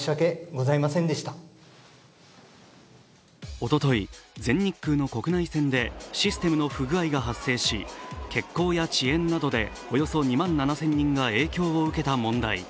おととい、全日空の国内線でシステムの不具合が発生し、欠航や遅延などでおよそ２万７０００人が影響を受けた問題。